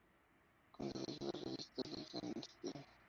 Codirige la revista "Lingua e stile".